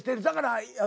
だから。